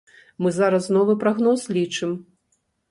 Мы зараз новы прагноз лічым.